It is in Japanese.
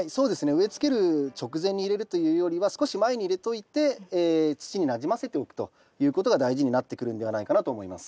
植えつける直前に入れるというよりは少し前に入れといて土になじませておくということが大事になってくるんではないかなと思います。